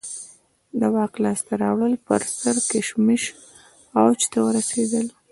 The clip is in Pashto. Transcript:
د واک لاسته راوړلو پر سر کشمکش اوج ته ورسېد